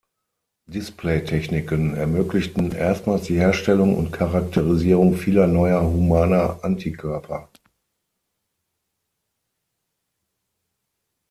Display-Techniken ermöglichten erstmals die Herstellung und Charakterisierung vieler neuer humaner Antikörper.